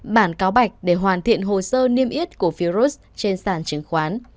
bản cáo bạch để hoàn thiện hồ sơ niêm yết của ferris trên sàn chứng khoán